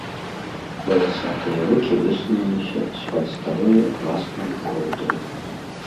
Валасатыя рукі высунуліся з-пад старой атласнай коўдры.